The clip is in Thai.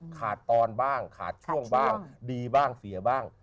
ขาดตอนบ้างขาดช่วงบ้างดีบ้างเสียบ้าง